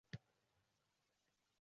Darvoza-derazalarni buzdirib oldi.